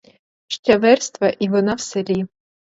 Ще верства — і вона в селі.